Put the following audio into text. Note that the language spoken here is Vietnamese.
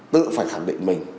tự phải khẳng định mình